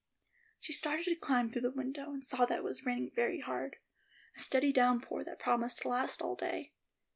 She started to climb through the window, and saw that it was raining very hard; a steady downpour that promised to last all day.